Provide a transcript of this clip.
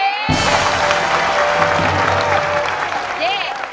โอเค